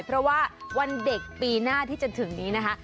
เพราะว่าวันเด็กปีหน้าที่จะถึงนี้นะคะ